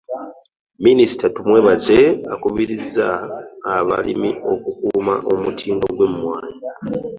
Minisita Tumwebaze akubiriza abalimi okukuuma omutindo gwe mwannyi.